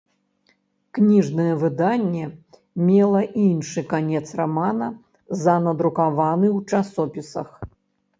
Кніжнае выданне мела іншы канец рамана за надрукаваны ў часопісах.